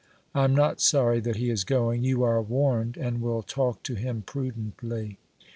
I am not sorry that he is going ; you are warned, and will talk to him prudently.